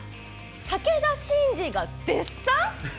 武田真治が絶賛！？